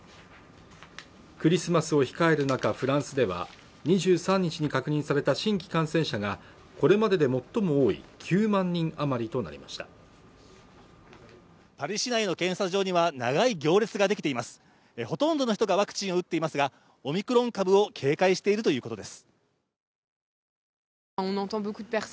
クリスマスを控える中フランスでは２３日に確認された新規感染者がこれまでで最も多い９万人余りとなりましたパリ市内への検査場には長い行列ができています殆どの人がワクチンを打っていますがオミクロン株を警戒しているということです